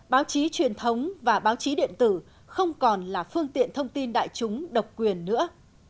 báo chí truyền thống và báo chí điện tử không còn là phương tiện thông tin đại chúng độc quyền nữa